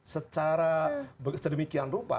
secara sedemikian rupa